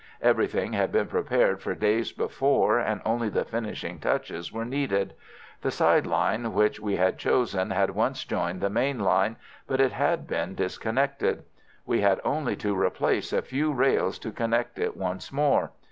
Everything had been prepared for days before, and only the finishing touches were needed. The side line which we had chosen had once joined the main line, but it had been disconnected. We had only to replace a few rails to connect it once more.